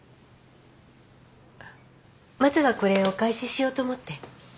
あっまずはこれお返ししようと思って。